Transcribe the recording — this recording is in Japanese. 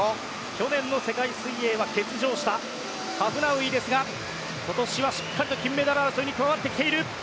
去年の世界水泳は欠場したハフナウイですが今年はしっかりと金メダル争いに加わってきている。